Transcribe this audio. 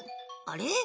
あれ？